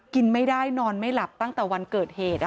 กินไม่ได้นอนไม่หลับตั้งแต่วันเกิดเหตุ